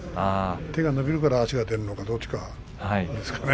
手が伸びるから足が出るのかどっちですかね。